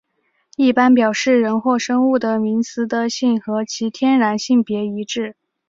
一般表示人或生物的名词的性和其天然性别一致。